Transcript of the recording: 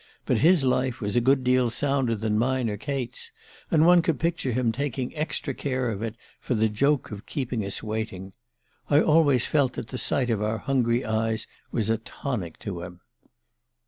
But his life was a good deal sounder than mine or Kate's and one could picture him taking extra care of it for the joke of keeping us waiting. I always felt that the sight of our hungry eyes was a tonic to him.